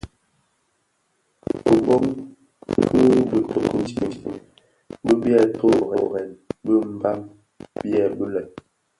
Kiboň ki bitoki bitsem bi byè totorèn bi Mbam byèbi lè: